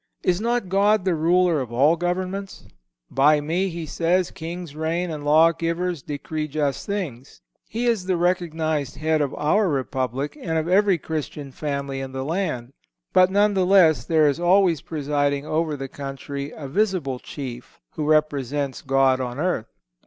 Is not God the Ruler of all governments? "By Me," He says, "kings reign, and lawgivers decree just things."(155) He is the recognized Head of our Republic, and of every Christian family in the land; but, nevertheless, there is always presiding over the country a visible chief, who represents God on earth.